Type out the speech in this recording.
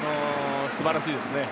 素晴らしいですね。